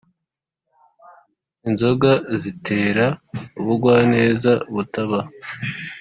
Inzoga zitera ubugwaneza butabaho